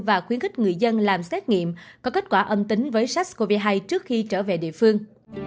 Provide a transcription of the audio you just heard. và khuyến khích người dân làm xét nghiệm có kết quả âm tính với sars cov hai trước khi trở về địa phương